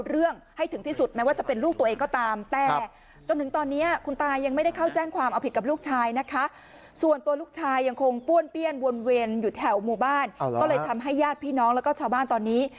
โรงพยาบาลก็เลยทำให้ญาติพี่น้องแล้วก็ชาวบ้านตอนนี้